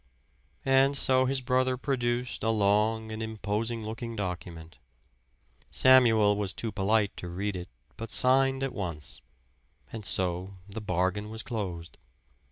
And so his brother produced a long and imposing looking document; Samuel was too polite to read it but signed at once, and so the bargain was closed.